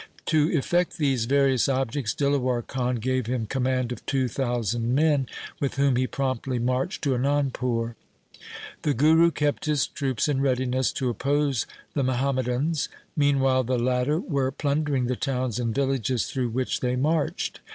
To effect these various objects, Dilawar Khan gave him command of two thousand men, with whom he promptly marched to Anandpur. The Guru kept his troops in readiness to oppose the Muhammadans. Meanwhile the latter were plundering the towns and villages through which they marched.